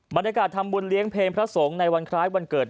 บรรยากาศทำบุญเลี้ยงเพลงพระสงฆ์ในวันคล้ายวันเกิด